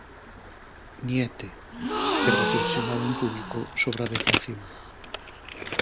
Niete, que reflexionaba en Público sobre a deflación.